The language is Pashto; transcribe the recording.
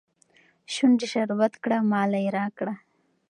شونډي شربت کړه ماله يې راکړه